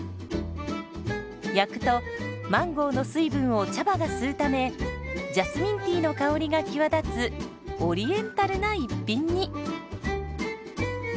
焼くとマンゴーの水分を茶葉が吸うためジャスミンティーの香りが際立つオリエンタルな一品に。